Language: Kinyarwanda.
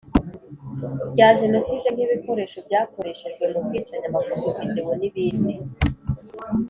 Bya jenoside nk ibikoresho byakoreshejwe mu bwicanyi amafoto video n ibindi